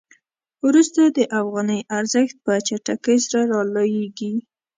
وروسته د افغانۍ ارزښت په چټکۍ سره رالویږي.